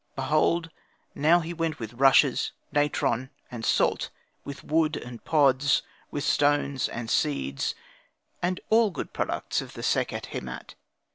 Behold now he went with rushes, natron, and salt, with wood and pods, with stones and seeds, and all good products of the Sekhet Hemat.